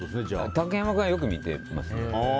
竹山君はよく見てますね。